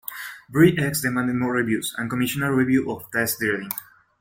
Bre-X demanded more reviews and commissioned a review of the test drilling.